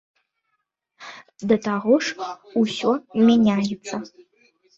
Да таго ж усё мяняецца.